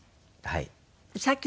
はい。